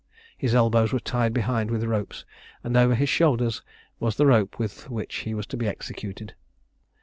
His elbows were tied behind with ropes, and over his shoulders was the rope with which he was to be executed.